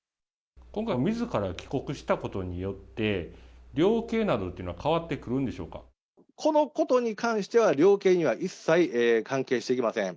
今回、みずから帰国したことによって、量刑などというのは変このことに関しては、量刑には一切関係してきません。